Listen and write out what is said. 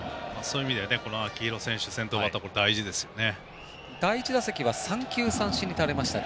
そういう意味ではこの秋広選手、先頭バッターも大事ですよね。